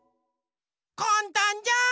かんたんじゃん。